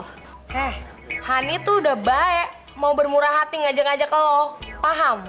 heh hani tuh udah baik mau bermurah hati ngajak ngajak lo paham